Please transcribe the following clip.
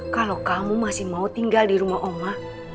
kalau kamu masih mau tinggal di rumah oma